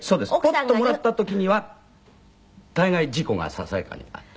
ポッともらった時には大概事故がささやかにある。